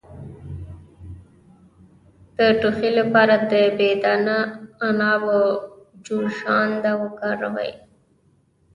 د ټوخي لپاره د بې دانه عنابو جوشانده وکاروئ